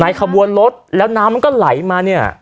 ไหนเค้าบนรถแล้วน้ำมันก็ไหลมาเนี่ย